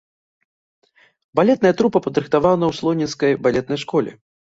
Балетная трупа падрыхтавана ў слонімскай балетнай школе.